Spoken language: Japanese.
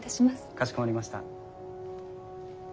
かしこまりました。